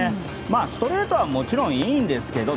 ストレートはもちろんいいんですけど。